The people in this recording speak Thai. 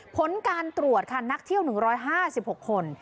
ผลการตรวจค่ะนักเที่ยวหนึ่งร้อยห้าสิบหกคน